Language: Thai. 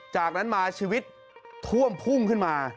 จากนั้นมาชีวิตท่วมพุ่งขึ้นมา